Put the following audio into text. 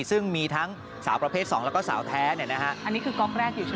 ซึ่งมีทั้งสาวประเภทสองแล้วก็สาวแท้เนี่ยนะฮะอันนี้คือก๊อกแรกอยู่ใช่ไหม